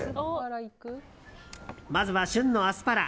まずは旬のアスパラ。